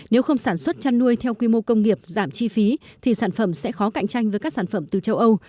nếu không sản xuất chăn nuôi theo quy mô công nghiệp giảm chi phí thì sản phẩm sẽ khó cạnh tranh với các sản phẩm từ châu âu